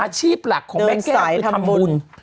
อาชีพหลักของแม็กซ์แก๊บคือทำบุญ